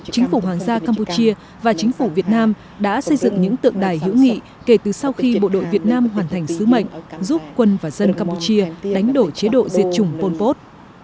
chính phủ hoàng gia campuchia và chính phủ việt nam đã xây dựng những tượng đài hữu nghị kể từ sau khi bộ đội việt nam hoàn thành sứ mệnh giúp quân và dân campuchia đánh đổ chế độ diệt chủng pol pot